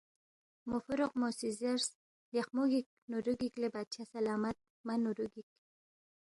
موفوروقمو سی زیرس، لیخمو گِک نوُرو گِک لے بادشاہ سلامت مہ نُورو گِک